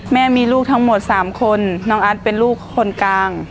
แม่มีลูกทั้งหมด๓คนน้องอาร์ตเป็นลูกคนกลาง